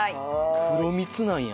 黒蜜なんや。